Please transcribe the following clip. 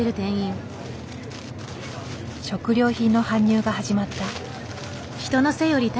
食料品の搬入が始まった。